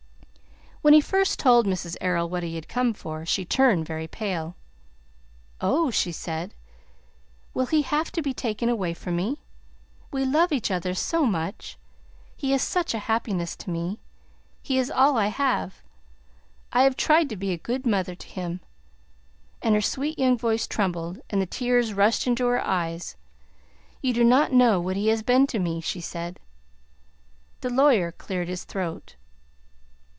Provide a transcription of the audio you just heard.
When he first told Mrs. Errol what he had come for, she turned very pale. "Oh!" she said; "will he have to be taken away from me? We love each other so much! He is such a happiness to me! He is all I have. I have tried to be a good mother to him." And her sweet young voice trembled, and the tears rushed into her eyes. "You do not know what he has been to me!" she said. The lawyer cleared his throat.